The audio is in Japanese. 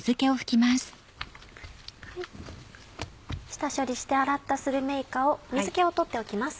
下処理して洗ったするめいかを水気を取っておきます。